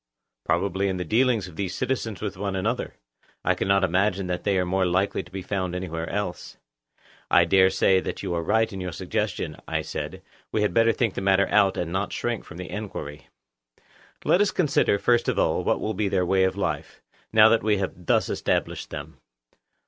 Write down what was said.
Probably in the dealings of these citizens with one another. I cannot imagine that they are more likely to be found any where else. I dare say that you are right in your suggestion, I said; we had better think the matter out, and not shrink from the enquiry. Let us then consider, first of all, what will be their way of life, now that we have thus established them.